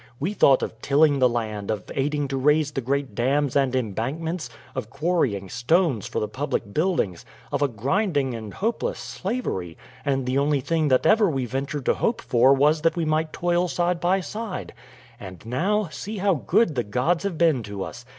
We thought of tilling the land, of aiding to raise the great dams and embankments, of quarrying stones for the public buildings, of a grinding and hopeless slavery, and the only thing that ever we ventured to hope for was that we might toil side by side, and now, see how good the gods have been to us.